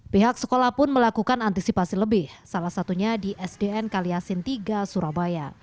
pihak sekolah pun melakukan antisipasi lebih salah satunya di sdn kaliasin tiga surabaya